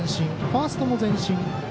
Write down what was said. ファーストも前進。